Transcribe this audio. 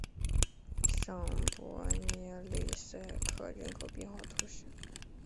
尚帕涅勒塞克人口变化图示